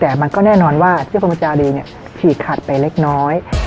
แต่ก็แน่นอนว่าเยื่อพลโมจารีฉีกขาดไปเล็กน้อย